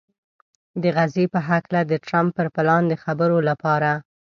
د غزې په هکله د ټرمپ پر پلان د خبرو لپاره